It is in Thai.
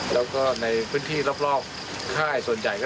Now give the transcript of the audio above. และก็มาก